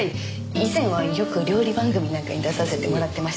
以前はよく料理番組なんかに出させてもらってました。